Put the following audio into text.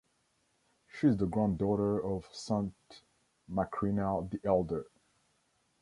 She is the granddaughter of Saint Macrina the Elder.